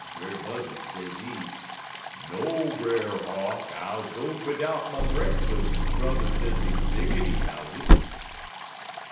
"Brer Buzzard, sezee, 'No, Brer Hawk, I'll go bidout my brekkus druther den be biggity 'bout it.'